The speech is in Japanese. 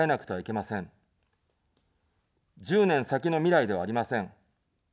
１０年先の未来ではありません。